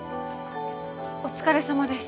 お疲れさまです。